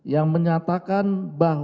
yang setelah dipotong